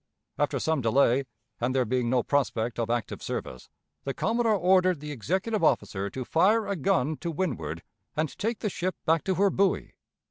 After some delay, and there being no prospect of active service, the Commodore ordered the executive officer to fire a gun to windward and take the ship back to her buoy.